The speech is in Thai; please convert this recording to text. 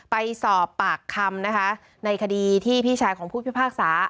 ไปสอบปากคำนะคะในคดีที่พี่ชายของผู้พิพากษา